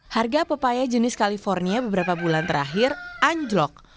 harga pepaya jenis california beberapa bulan terakhir anjlok